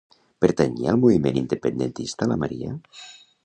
Pertanyia al moviment independentista la Maria?